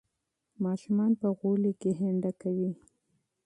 ماشومان په انګړ کې لوبې کولې.